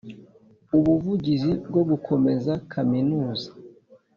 ubuvugizi bwo gukomeza Kaminuza